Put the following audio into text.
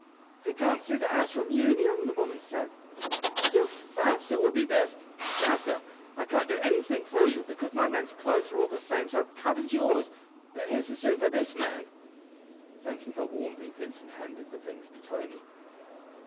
"They can't see the house from Union," the woman said. "Still, perhaps it will be best. Now, sir, I can't do anything for you, because my men's clothes are the same sort of cut as yours; but here's a suit for this man." Thanking her warmly Vincent handed the things to Tony.